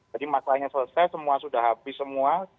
jadi maklumatnya selesai semua sudah habis semua